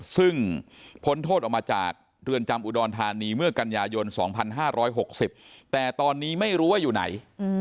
ซึ่งพ้นโทษออกมาจากเรือนจำอุดรธานีเมื่อกันยายน๒๕๖๐แต่ตอนนี้ไม่รู้ว่าอยู่ไหน